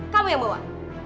kamu yang bawa